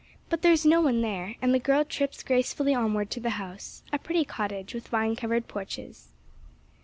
But there is no one there, and the girl trips gracefully onward to the house, a pretty cottage with vine covered porches.